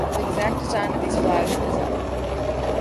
The exact design of these flags is unknown.